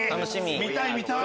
見たい見たい！